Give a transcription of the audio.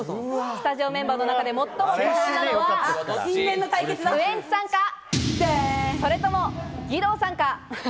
スタジオメンバーの中で最も幸運なのは、ウエンツさんか、それとも義堂さんか。